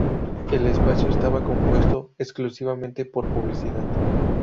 El espacio estaba compuesto exclusivamente por publicidad.